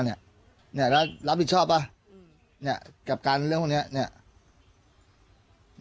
เนี้ยเนี้ยรับรับผิดชอบป่ะอืมเนี้ยกับการเรื่องของเนี้ยเนี้ย